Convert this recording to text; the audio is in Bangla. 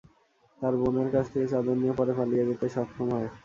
তার বোনের কাছ থেকে চাদর নিয়ে পরে পালিয়ে যেতে সক্ষম হয়।